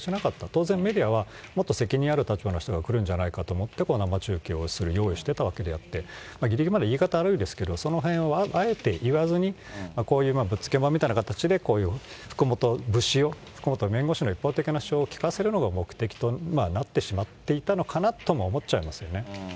当然メディアはもっと責任ある立場の人が来るんじゃないかと思って生中継を用意してたわけであって、ぎりぎりまで、言い方悪いですけれども、そのへんはあえて言わずに、こういうぶっつけ本番みたいな形でこういう福本節を、福本弁護士の一方的な節を聞かせるのが目的となってしまっていたのかなとも思っちゃいますよね。